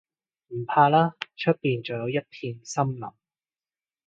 唔怕啦，出面仲有一片森林